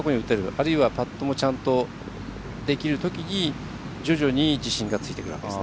あるいはパットもちゃんとできるときに徐々に自信がついてくるわけです。